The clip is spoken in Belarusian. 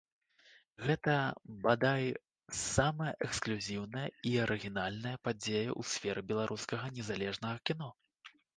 Гэта, бадай, самая эксклюзіўная і арыгінальная падзея ў сферы беларускага незалежнага кіно.